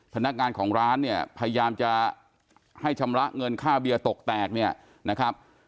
พนักงานของร้านพยายามจะให้ชำระเงินค่าเบียที่ตกแตก